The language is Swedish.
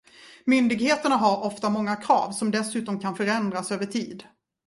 Myndigheterna har ofta många krav som dessutom kan förändras över tid.